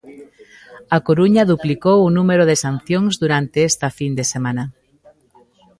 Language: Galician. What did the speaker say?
A Coruña duplicou o número de sancións durante esta fin de semana.